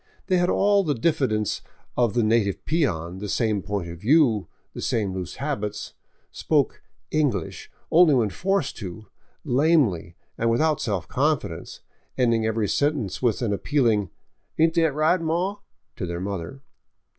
They had all the diffidence of the native peon, the same point of view, the same loose habits, spoke " English " only when forced to, lamely and without self confidence, ending every sentence with an apvpealing, " Ain't thet right, maw?" to their mother.